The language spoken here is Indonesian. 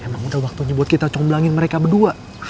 emang udah waktunya buat kita comblangin mereka berdua